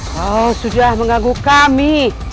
kau sudah mengganggu kami